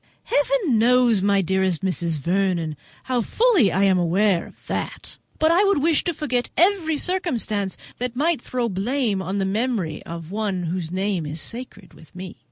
"Heaven knows, my dearest Mrs. Vernon, how fully I am aware of that; but I would wish to forget every circumstance that might throw blame on the memory of one whose name is sacred with me."